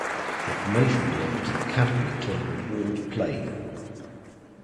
This formation belongs to the category termed a walled plain.